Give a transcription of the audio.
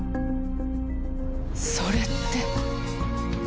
それって。